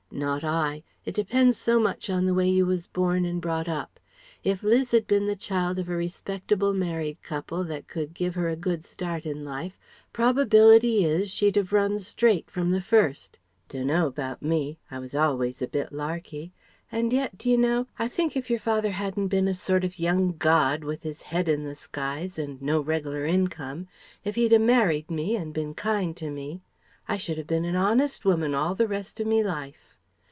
Not I. It depends so much on the way you was born and brought up. If Liz had been the child of a respectable married couple that could give her a good start in life, 'probability is she'd have run straight from the first. Dunno about me. I was always a bit larky. And yet d'you know, I think if yer father hadn't been a sort of young god, with his head in the skies, and no reg'lar income, if he'd a married me and been kind to me ... I should have been an honest woman all the rest of me life....